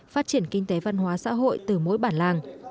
phát triển kinh tế văn hóa xã hội từ mỗi bản làng